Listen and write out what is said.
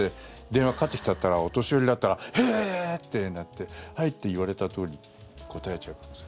電話がかかってきちゃったらお年寄りだったらええ！ってなってはいって言われたとおり答えちゃいます。